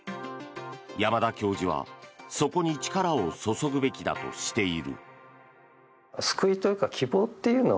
山田教授は、そこに力を注ぐべきだとしている。